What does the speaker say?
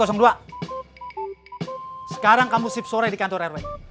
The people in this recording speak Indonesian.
sekarang kamu shift sore di kantor rw